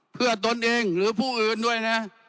เพื่อตนเองหรือผู้อื่นด้วยนะ